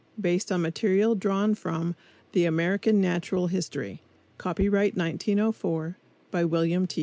BASED ON MATERIAL DRAWN FROM "THE AMERICAN NATURAL HISTORY," COPYRIGHT 1904, BY WILLIAM T.